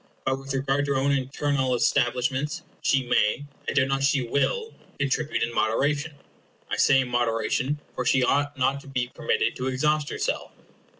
But with regard to her own internal establishments, she may, I doubt not she will, c ontribute in moderation. I say in moderation, for she ought not to be permitted to exhaust herself.